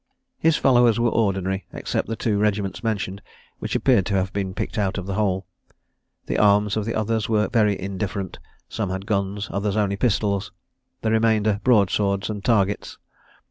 His followers were ordinary, except the two regiments mentioned, which appeared to have been picked out of the whole. The arms of the others were very indifferent. Some had guns, others only pistols, the remainder broad swords and targets.